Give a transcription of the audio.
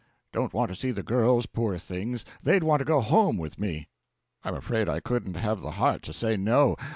Don't want to see the girls poor things, they'd want to go home with me. I'm afraid I couldn't have the heart to say no.